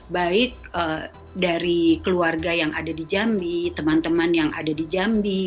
baik dari keluarga yang ada di jambi teman teman yang ada di jambi